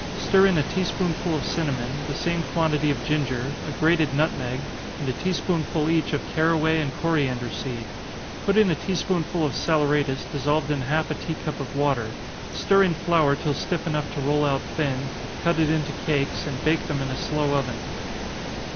Stir in a tea spoonful of cinnamon, the same quantity of ginger, a grated nutmeg, and a tea spoonful each of caraway and coriander seed put in a tea spoonful of saleratus, dissolved in half a tea cup of water, stir in flour till stiff enough to roll out thin, cut it into cakes, and bake them in a slow oven.